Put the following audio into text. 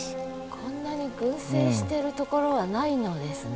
こんなに群生してるところはないのですね？